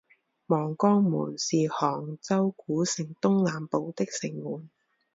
望江门是杭州古城东南部的城门。